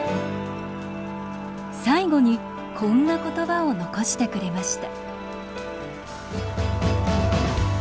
最後にこんな言葉を残してくれました。